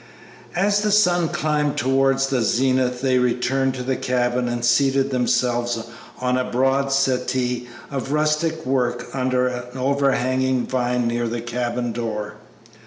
As the sun climbed towards the zenith they returned to the cabin and seated themselves on a broad settee of rustic work under an overhanging vine near the cabin door.